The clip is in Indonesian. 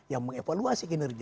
yang mengevaluasi kinerja